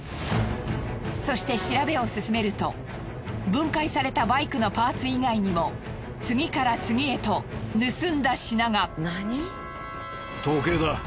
そして調べを進めると分解されたバイクのパーツ以外にも次から次へと盗んだ品が。